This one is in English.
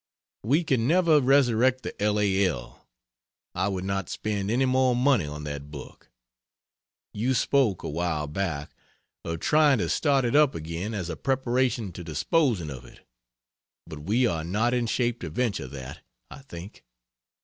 We can never resurrect the L. A. L. I would not spend any more money on that book. You spoke, a while back, of trying to start it up again as a preparation to disposing of it, but we are not in shape to venture that, I think.